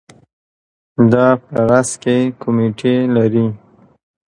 دا په راس کې کمیټې لري.